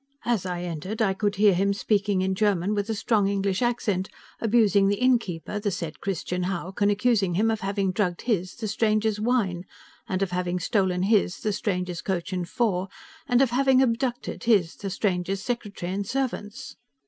As I entered, I could hear him, speaking in German with a strong English accent, abusing the innkeeper, the said Christian Hauck, and accusing him of having drugged his, the stranger's, wine, and of having stolen his, the stranger's, coach and four, and of having abducted his, the stranger's, secretary and servants.